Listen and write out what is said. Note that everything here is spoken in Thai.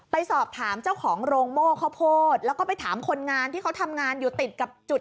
ไปสอบถามเจ้าของโรงโม่ข้าวโพดแล้วก็ไปถามคนงานที่เขาทำงานอยู่ติดกับจุด